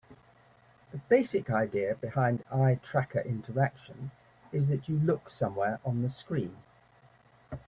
The basic idea behind eye tracker interaction is that you look somewhere on the screen.